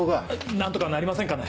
何とかなりませんかね。